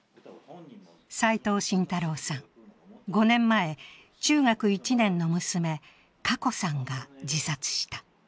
齋藤信太郎さん、５年前、中学１年の娘、華子さんが自殺した。